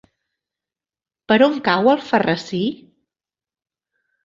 Per on cau Alfarrasí?